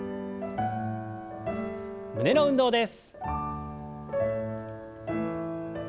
胸の運動です。